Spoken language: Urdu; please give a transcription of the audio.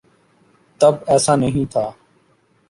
تب ایسا نہیں تھا۔